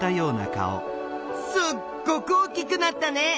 すっごく大きくなったね！